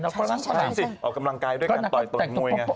ใช่ใช่ออกกำลังกายด้วยกันต่อยตนมวยอย่างนั้น